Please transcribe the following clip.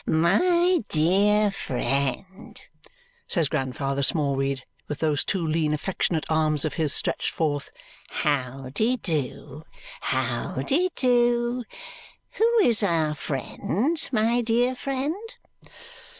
"My dear friend," says Grandfather Smallweed with those two lean affectionate arms of his stretched forth. "How de do? How de do? Who is our friend, my dear friend?"